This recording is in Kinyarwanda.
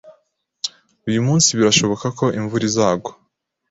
Uyu munsi birashoboka ko imvura izagwa.